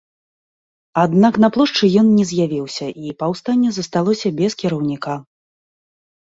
Аднак на плошчы ён не з'явіўся, і паўстанне засталося без кіраўніка.